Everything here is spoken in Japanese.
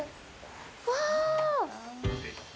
うわ！